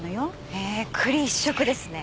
へえ栗一色ですね。